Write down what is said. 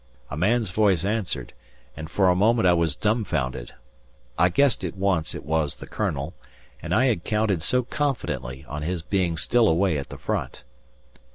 A man's voice answered, and for a moment I was dumbfounded. I guessed at once it was the Colonel, and I had counted so confidently on his being still away at the front.